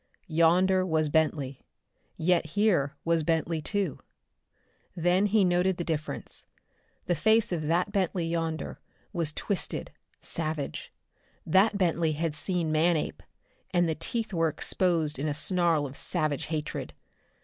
Yonder was Bentley, yet here was Bentley, too. Then he noted the difference. The face of that Bentley yonder was twisted, savage. That Bentley had seen Manape, and the teeth were exposed in a snarl of savage hatred.